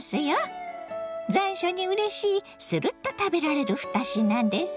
残暑にうれしいするっと食べられる２品です。